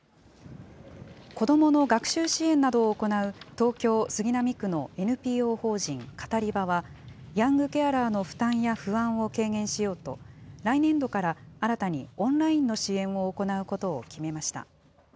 子どもの学習支援などを行う東京・杉並区のＮＰＯ法人カタリバは、ヤングケアラーの負担や不安を軽減しようと、来年度から新たにオンラインの支援を行うことを決めました。